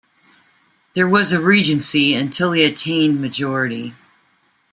There was a regency until he attained majority.